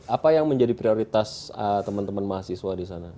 apa yang menjadi prioritas teman teman mahasiswa di sana